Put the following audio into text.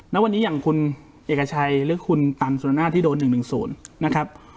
แล้ววันนี้อย่างคุณเอกชัยหรือคุณตันสุดหน้าที่โดนหนึ่งหนึ่งศูนย์นะครับ